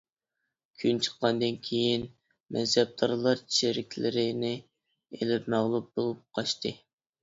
كۈن چىققاندىن كېيىن، مەنسەپدارلار چېرىكلىرىنى ئېلىپ مەغلۇپ بولۇپ قاچتى.